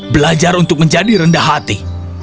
belajar untuk menjadi rendah hati